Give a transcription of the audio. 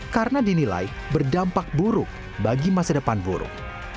karena dinilai berdampak buruk bagi masa depan buruk